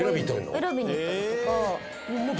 選びに行ったりとか。